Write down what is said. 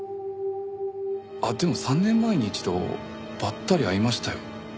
あっでも３年前に一度ばったり会いましたよ。